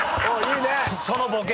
そのボケ！